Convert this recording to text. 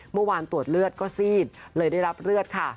เมื่อวานตรวจเลือดก็ซีดเลยได้รับเลือดค่ะ